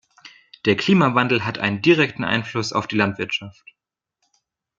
Der Klimawandel hat einen direkten Einfluss auf die Landwirtschaft.